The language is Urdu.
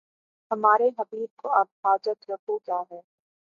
ہمارے جیب کو اب حاجت رفو کیا ہے